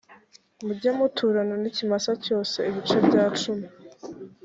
mujye muturana n ikimasa cyose ibice bya cumi